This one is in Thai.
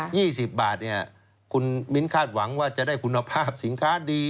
๒๐บาทเนี่ยคุณมิ้นคาดหวังว่าจะได้คุณภาพสินค้าดี